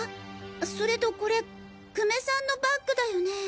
それとこれ久米さんのバッグだよね。